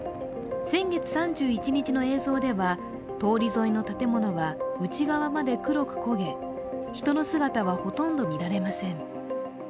先月３１日の映像では、通り沿いの建物は内側まで黒く焦げ人の姿はほとんど見られません。